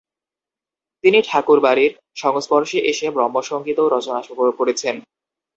তিনি ঠাকুরবাড়ির সংস্পর্শে এসে ব্রহ্মসঙ্গীতও রচনা করেছেন।